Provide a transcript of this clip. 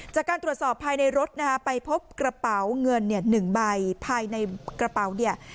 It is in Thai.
จากการตรวจสอบภายในรถนะฮะไปพบกระเป๋าเงินเนี่ย๑ใบภายในกระเป๋าเนี่ย